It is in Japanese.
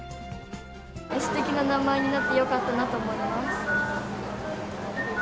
すてきな名前になってよかったなと思います。